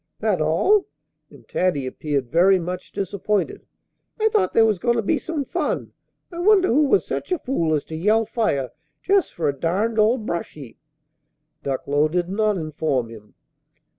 "That all?" And Taddy appeared very much disappointed. "I thought there was goin' to be some fun. I wonder who was such a fool as to yell fire just for a darned old brush heap!" Ducklow did not inform him.